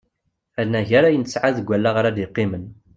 Anagar ayen tesɛa deg wallaɣ ara d-yeqqimen.